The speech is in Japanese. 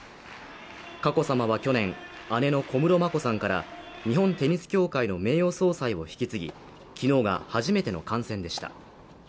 佳子さまは去年姉の小室眞子さんから日本テニス協会の名誉総裁を引き継ぎ、昨日が初めての観戦でした。